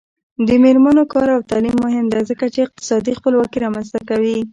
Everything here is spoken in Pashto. د میرمنو کار او تعلیم مهم دی ځکه چې اقتصادي خپلواکي رامنځته کوي.